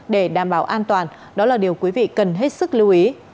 để đảm bảo an toàn đó là điều quý vị cần hết sức lưu ý